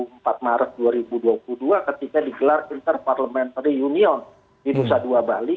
sampai dua puluh empat maret dua ribu dua puluh dua ketika digelar interparlamentary union di nusa dua bali